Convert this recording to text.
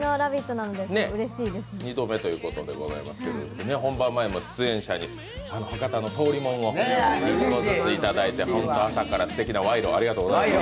なので２度目ということですが本番前も出演者に博多とおりもんを１個ずついただいて本当に朝からすてきな賄賂をありがとうございます。